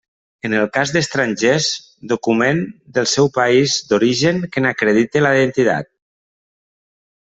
En el cas d'estrangers, document del seu país d'origen que n'acredite la identitat.